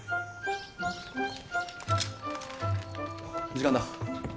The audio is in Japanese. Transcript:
時間だ。